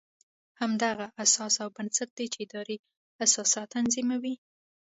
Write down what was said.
همدغه اساس او بنسټ دی چې ادارې اساسات تنظیموي.